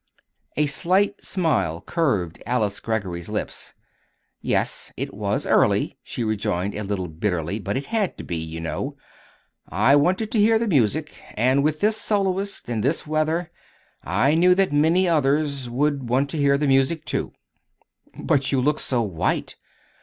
A slight smile curved Alice Greggory's lips. "Yes, it was early," she rejoined a little bitterly; "but it had to be, you know. I wanted to hear the music; and with this soloist, and this weather, I knew that many others would want to hear the music, too." "But you look so white!